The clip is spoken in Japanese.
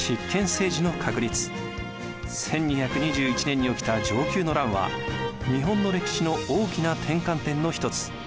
１２２１年に起きた承久の乱は日本の歴史の大きな転換点の一つ。